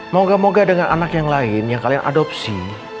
moga moga dengan anak yang lain yang kalian adopsi